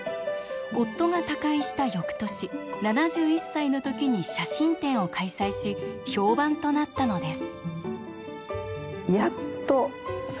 夫が他界した翌年７１歳の時に写真展を開催し評判となったのです。